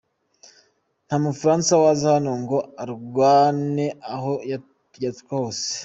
Nta mufaransa waza hano ngo arwane aho yaturuka hose.